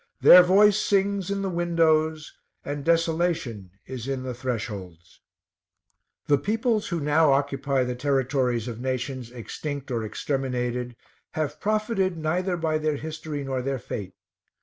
Their voice sings in the windows, and desolation is in the thresholds." The peoples who now occupy the territories of nations extinct or exterminated have profited neither by their history nor their fate.